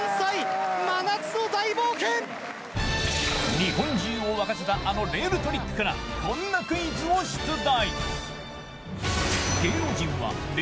日本中を沸かせたあのレールトリックからこんなクイズを出題。